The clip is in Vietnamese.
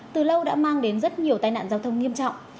từ lâu đã mang đến rất nhiều tai nạn giao thông nghiêm trọng